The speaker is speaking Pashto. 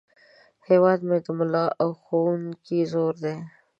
هیواد مې د ملا او ښوونکي زور دی